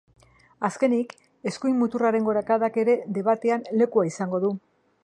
Azkenik, eskuin muturraren gorakadak ere debatean lekua izango du.